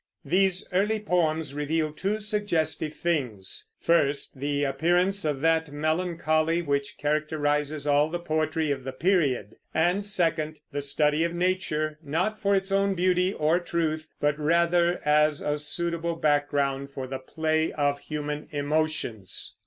These early poems reveal two suggestive things: first, the appearance of that melancholy which characterizes all the poetry of the period; and second, the study of nature, not for its own beauty or truth, but rather as a suitable background for the play of human emotions.